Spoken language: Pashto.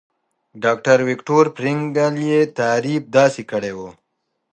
ډاکټر ويکټور فرېنکل يې تعريف داسې کړی وو.